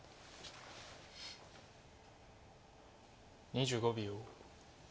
２５秒。